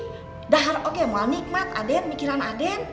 jadi itu juga menikmati aden mikiran aden